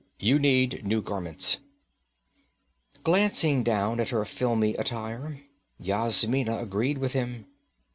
You need new garments.' Glancing down at her filmy attire, Yasmina agreed with him.